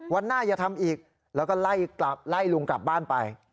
วันหน้าอย่าทำอีกแล้วก็ไล่ลุงกลับบ้านไป